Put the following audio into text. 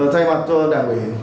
chào tạm biệt chào tạm biệt